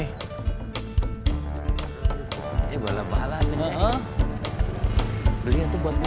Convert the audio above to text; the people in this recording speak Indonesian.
ini bala bala tuh cak